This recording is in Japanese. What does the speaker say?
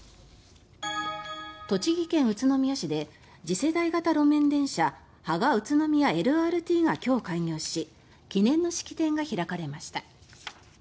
栃木県宇都宮市で次世代型路面電車芳賀・宇都宮ＬＲＴが今日、開業し記念の式典が開かれました。